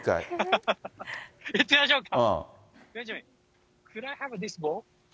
言ってみましょうか。